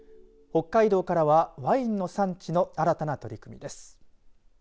北海道からはワインの産地の新たな取り組みです。